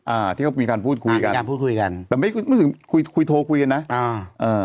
อ่าที่เขามีการพูดคุยกันมีการพูดคุยกันแต่ไม่รู้สึกคุยคุยโทรคุยกันนะอ่าอ่า